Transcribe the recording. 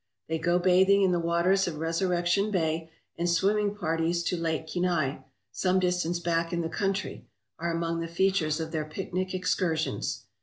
They go bathing in the waters of Resurrection Bay, and swimming parties to Lake Kenai, some distance back in the country, are among the features of their picnic excursions.